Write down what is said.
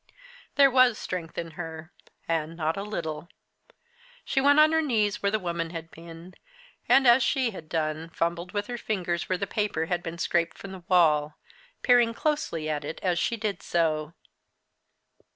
There was strength in her and not a little. She went on her knees where the woman had been; and, as she had done, fumbled with her fingers where the paper had been scraped from the wall, peering closely at it, as she did so.